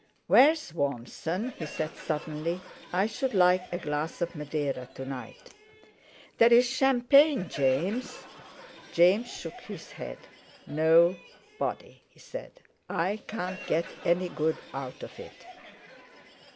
"Where's Warmson?" he said suddenly. "I should like a glass of Madeira to night." "There's champagne, James." James shook his head. "No body," he said; "I can't get any good out of it."